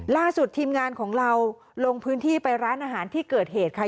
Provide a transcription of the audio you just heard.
ล่าสุดทีมงานของเราลงพื้นที่ไปร้านอาหารที่เกิดเหตุค่ะ